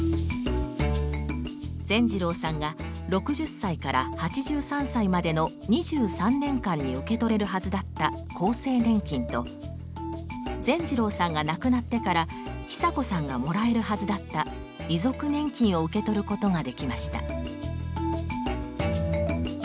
善次郎さんが６０歳から８３歳までの２３年間に受け取れるはずだった厚生年金と善次郎さんが亡くなってからひさこさんがもらえるはずだった遺族年金を受け取ることができました。